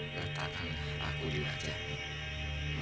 aku akan membantumu